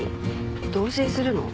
同棲するの？